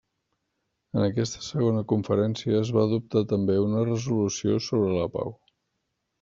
En aquesta segona conferència es va adoptar també una resolució sobre la pau.